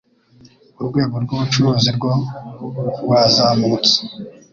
urwego rw'ubucuruzi rwo rwazamutse